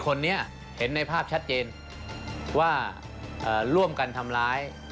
คนนี้เห็นในภาพชัดเจนว่าร่วมกันทำร้าย